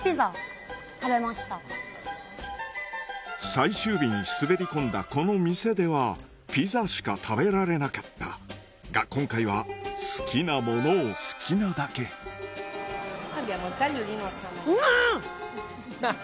最終日に滑り込んだこの店ではピザしか食べられなかったが今回は好きなものを好きなだけうわぁ！